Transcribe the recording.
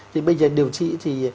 thì bây giờ điều trị thì